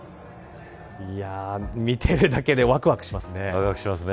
見ているだけでわくわくしますね。